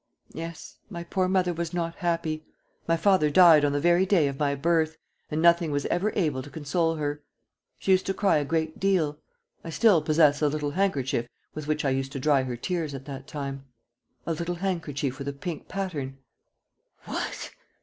"Yes, my poor mother was not happy. My father died on the very day of my birth, and nothing was ever able to console her. She used to cry a great deal. I still possess a little handkerchief with which I used to dry her tears at that time." "A little handkerchief with a pink pattern." "What!"